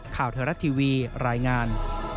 ข่าวไทยรัฐทีวีรายงาน